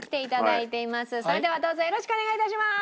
それではどうぞよろしくお願い致します。